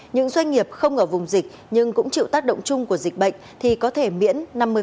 những doanh nghiệp không ở vùng dịch nhưng cũng chịu tác động chung của dịch bệnh thì có thể miễn năm mươi